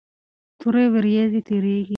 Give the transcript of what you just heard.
تورې ورېځې تیریږي.